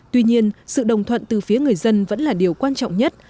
tuy nhiên sự đồng thuận từ phía người dân vẫn là điều quan trọng nhất